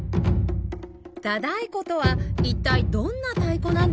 太鼓とは一体どんな太鼓なんでしょうか？